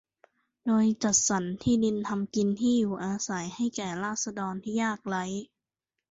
โดยจัดสรรที่ดินทำกินที่อยู่อาศัยให้แก่ราษฎรที่ยากไร้